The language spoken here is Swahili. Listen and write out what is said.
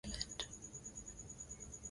lakini wengine walibakia Thailand